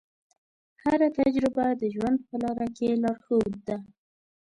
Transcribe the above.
هره تجربه د ژوند په لاره کې لارښود ده.